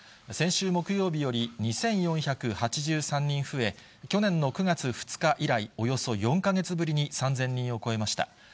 先週木曜日より２４８３人増え、去年の９月２日以来、およそ４か月ぶりに３０００人を超えました。